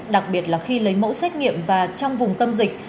đặc biệt là khi lấy mẫu xét nghiệm và trong vùng tâm dịch